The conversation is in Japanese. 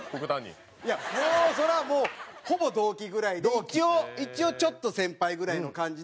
それはもうほぼ同期ぐらいで一応ちょっと先輩ぐらいの感じで。